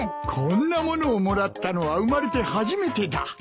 こんなものをもらったのは生まれて初めてだ。